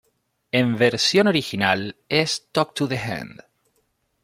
En versión original es "talk to the hand".